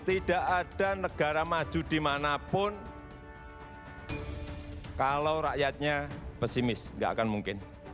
tidak ada negara maju dimanapun kalau rakyatnya pesimis nggak akan mungkin